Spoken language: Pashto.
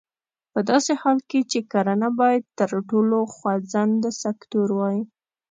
په داسې حال کې چې کرنه باید تر ټولو خوځنده سکتور وای.